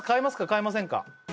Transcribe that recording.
買いませんか？